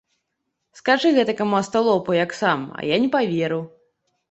Скажы гэтакаму асталопу, як сам, а я не паверу.